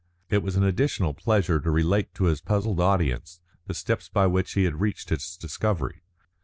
It was an additional pleasure to relate to his puzzled audience the steps by which he had reached his discovery.